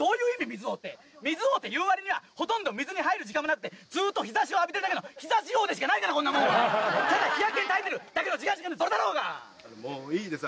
水王って水王っていうわりにはほとんど水に入る時間もなくてずーっと日ざしを浴びてるだけの日ざし王でしかないからただ日焼けに耐えてるだけの時間しかないそれだろうがっもういいです